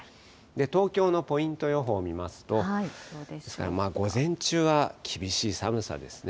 東京のポイント予報を見ますと、午前中は厳しい寒さですね。